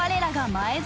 前園！